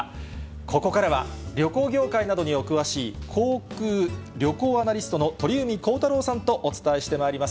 ここからは旅行業界などにお詳しい、航空・旅行アナリストの鳥海高太朗さんとお伝えしてまいります。